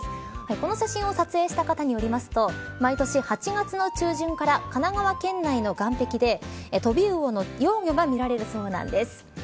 この写真を撮影した方によりますと毎年８月の中旬から神奈川県内の岸壁でトビウオの幼魚が見られるそうなんです。